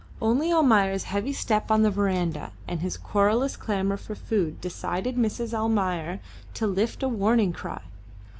Only Almayer's heavy step on the verandah and his querulous clamour for food decided Mrs. Almayer to lift a warning cry.